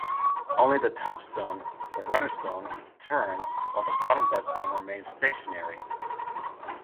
Only the top stone, the runner stone, turns, while the bottom bedstone remains stationary.